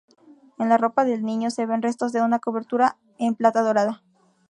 En la ropa del niño se ven restos de una cobertura en plata dorada.